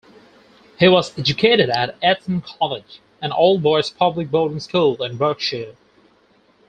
He was educated at Eton College, an all-boys public boarding school in Berkshire.